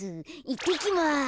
いってきます。